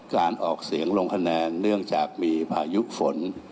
การออกเสียงลงคะแนนเนื่องจากมีพายุฝน